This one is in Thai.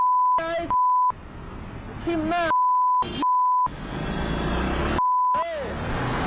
กวงมาก๋อง